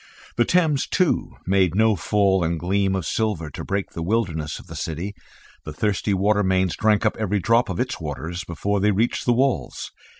The Thames, too, made no fall and gleam of silver to break the wilderness of the city; the thirsty water mains drank up every drop of its waters before they reached the walls.